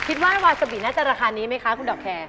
คิดว่าวาซาบิน่าจะราคานี้ไหมคะคุณดอกแคร์